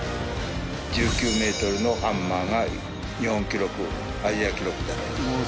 １９メートルのハンマーが日本記録アジア記録だった。